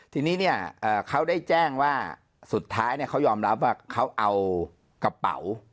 ทีนี้เนี่ยเขาได้แจ้งว่าสุดท้ายเขายอมรับว่าเขาเอากระเป๋า